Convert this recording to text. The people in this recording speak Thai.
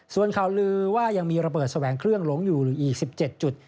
ส่วนข่าวลือว่ายังมีระเบิดแสวงเครื่องหลงอยู่หรืออีก๑๗จุด